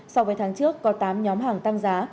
so với tháng trước có tám nhóm hàng tăng giá